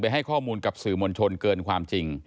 ให้ข้อมูลกับสื่อมวลชนเกินความจริง